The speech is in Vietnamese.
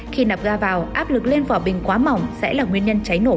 khi nạp ga vào áp lực lên vỏ bình quá mỏng sẽ là nguyên nhân cháy nổ